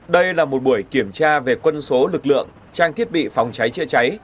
đây là một buổi kiểm tra về quân số lực lượng trang thiết bị phòng cháy chữa cháy